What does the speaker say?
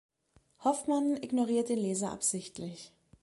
Hoffman ignoriert den Leser absichtlich.